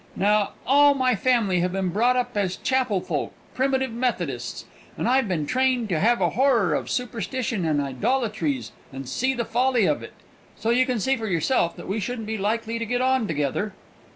Now all my family have been brought up as chapel folk, Primitive Methodists, and I've been trained to have a horror of superstition and idolatries, and see the folly of it. So you can see for yourself that we shouldn't be likely to get on together!"